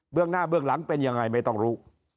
เรื่องหน้าเบื้องหลังเป็นยังไงไม่ต้องรู้